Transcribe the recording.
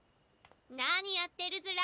何やってるずら。